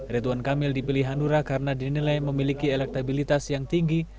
ridwan kamil dipilih hanura karena dinilai memiliki elektabilitas yang tinggi